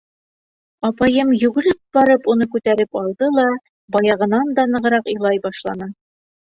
Апайым йүгереп барып, уны күтәреп алды ла баяғынан да нығыраҡ илай башланы.